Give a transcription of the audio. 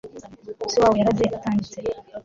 se wabo yaraze atanditse